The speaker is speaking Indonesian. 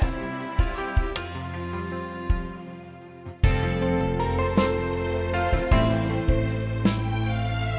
kau ingin mencintaimu dengan sederhana